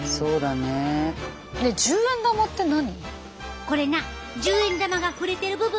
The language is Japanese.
ねえ１０円玉って何？